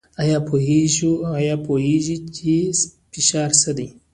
ایا پوهیږئ چې فشار څه دی؟